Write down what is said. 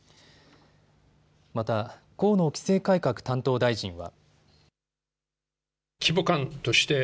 また、河野規制改革担当大臣は。